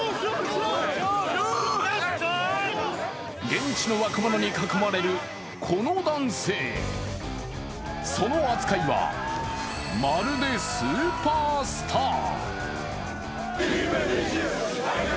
現地の若者に囲まれるこの男性、その扱いは、まるでスーパースター。